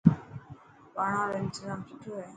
ٻاڙان رو انتظام سٺو هتو.